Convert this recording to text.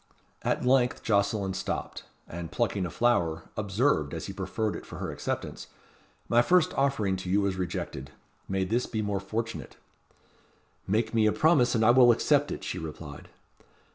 At length, Jocelyn stopped, and plucking a flower, observed, as he proffered it for her acceptance, "My first offering to you was rejected. May this be more fortunate." "Make me a promise, and I will accept it," she replied.